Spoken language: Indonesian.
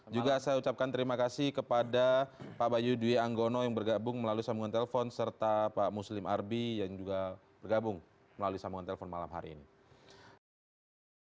juga saya ucapkan terima kasih kepada pak bayu dwi anggono yang bergabung melalui sambungan telepon serta pak muslim arbi yang juga bergabung melalui sambungan telepon malam hari ini